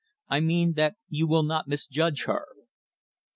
I mean, that you will not misjudge her."